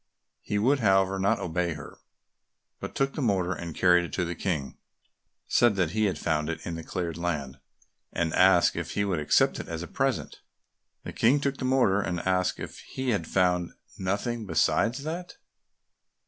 He would, however, not obey her, but took the mortar and carried it to the King, said that he had found it in the cleared land, and asked if he would accept it as a present. The King took the mortar, and asked if he had found nothing besides that?